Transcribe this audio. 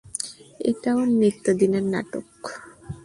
এটা ওর নিত্যদিনের নাটক।